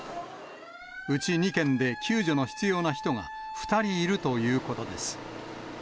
うち２件で救助の必要な人が２人いるということです。